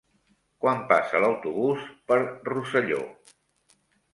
Quan passa l'autobús per Rosselló?